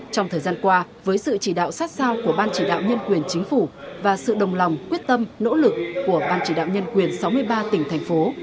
trong thời gian qua với sự chỉ đạo sát sao của ban chỉ đạo nhân quyền chính phủ và sự đồng lòng quyết tâm nỗ lực của ban chỉ đạo nhân quyền sáu mươi ba tỉnh thành phố